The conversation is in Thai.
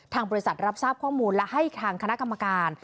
บริษัทรับทราบข้อมูลและให้ทางคณะกรรมการ